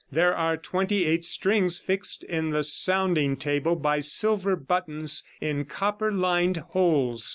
There are twenty eight strings fixed in the sounding table by silver buttons in copper lined holes.